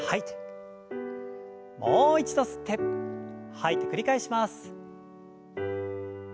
もう一度吸って吐いて繰り返します。